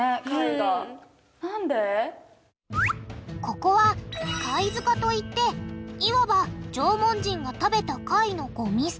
ここは貝塚と言っていわば縄文人が食べた貝のゴミ捨て場。